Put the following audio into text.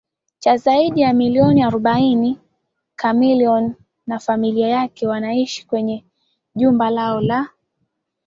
cha zaidi ya milioni arobaini Chameleone na familia yake wanaishi kwenye jumba lao la